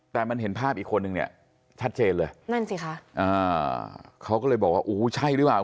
แต่มันเห็นภาพอีกคนนึงเนี่ยชัดเจนเลยนั่นสิคะอ่าเขาก็เลยบอกว่าโอ้โหใช่หรือเปล่า